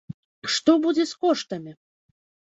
Што будзе з коштамі?